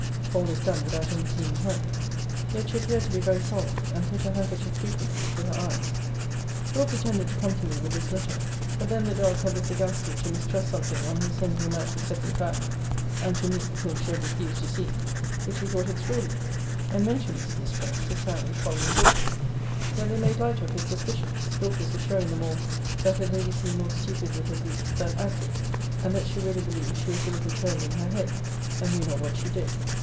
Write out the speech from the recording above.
All this done without any seeming hurry: yet she appeared to be very solemn; and put her handkerchief frequently to her eyes. 'Will. pretended to come to me with this letter. But thou the dog had the sagacity to mistrust something on her sending him out a second time; (and to me, whom she had refused to see;) which he thought extraordinary; and mentioned his mistrusts to Sally, Polly, and Dorcas; yet they made light of his suspicions; Dorcas assuring them all, that her lady seemed more stupid with her grief, than active; and that she really believed she was a little turned in her head, and knew not what she did.